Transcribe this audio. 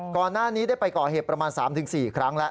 ก่อนหน้านี้ได้ไปก่อเหตุประมาณ๓๔ครั้งแล้ว